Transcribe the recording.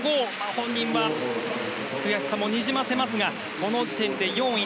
本人は悔しさもにじませますがこの時点で４位。